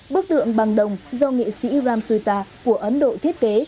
bức tượng bằng đồng do nghệ sĩ ram suita của ấn độ thiết kế